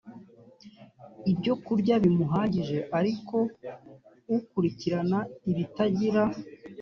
ibyokurya bimuhagije ariko ukurikirana ibitagira